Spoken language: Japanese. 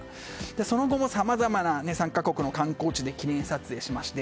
その後もさまざまな観光地で記念撮影をしまして。